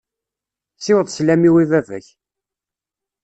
Siweḍ sslam-iw i baba-k.